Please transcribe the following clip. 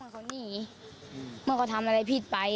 เขาหนีเมื่อเขาทำอะไรผิดไป